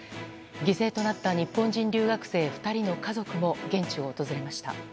犠牲となった日本人留学生２人の家族も現地を訪れました。